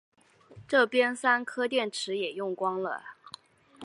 这边三颗电池也用光了